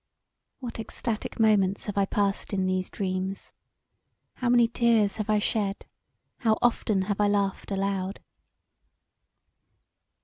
What extactic moments have I passed in these dreams! How many tears I have shed; how often have I laughed aloud.